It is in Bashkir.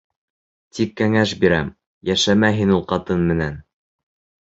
Тик кәңәш бирәм: йәшәмә һин ул ҡатын менән.